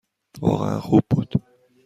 واقعاً خوب بود.